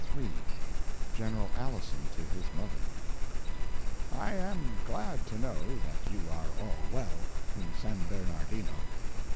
III GENERAL ALISON TO HIS MOTHER I AM glad to know that you are all well, in San Bernardino.